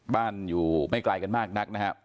อยู่ไม่ไกลกันมากนักนะครับ